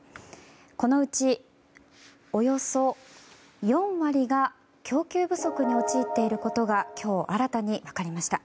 このうち、およそ４割が供給不足に陥っていることが今日、新たに分かりました。